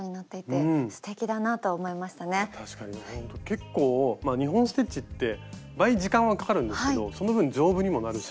結構２本ステッチって倍時間はかかるんですけどその分丈夫にもなるし。